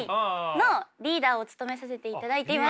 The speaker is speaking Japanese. のリーダーを務めさせていただいています。